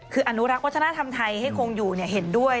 คืออนุรักษ์วัฒนธรรมไทยให้คงอยู่เห็นด้วย